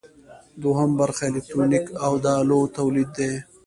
دوهم برخه الکترونیک او د الو تولید دی.